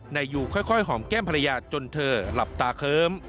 นายยูค่อยหอมแก้มภรรยาจนเธอหลับตาเคิ้ม